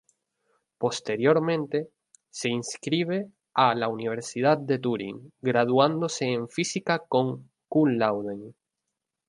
Posteriormente, se inscribe a la Universidad de Turín, graduándose en Física con cum laude.